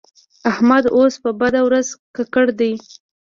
احمد اوس په بده ورځ ککړ دی.